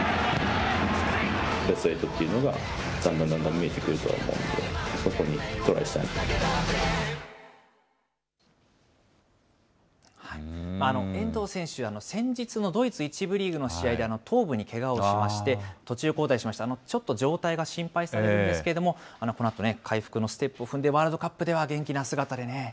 ベストエイトっていうのがだんだん見えてくるとは思うので、そこ遠藤選手、先日のドイツ１部リーグの試合で、頭部にけがをしまして、途中交代しまして、ちょっと状態が心配されるんですけれども、このあと、回復のステップを踏んでワールドカップでは元気な姿でね。